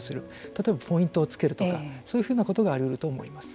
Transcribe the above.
例えばポイントをつけるとかそういうふうなことがあり得ると思います。